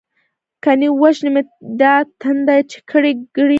ګنی وژنی می دا تنده، چی ګړۍ ګړۍ زياتيږی